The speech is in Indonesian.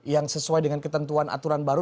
yang sesuai dengan ketentuan aturan baru